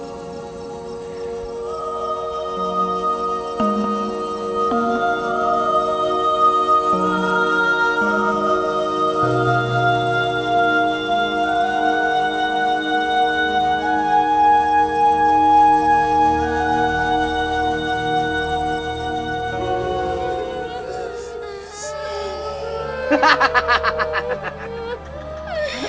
saya ingin menikmati jambatmu